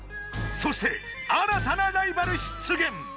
そして新たなライバル出現！